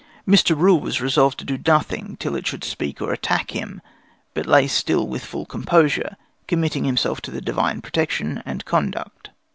Mr. Rule was resolved to do nothing till it should speak or attack him, but lay still with full composure, committing himself to the Divine protection and conduct.